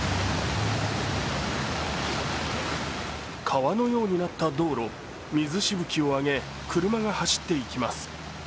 川のようになった道路、水しぶきをあげ車が走っていきます。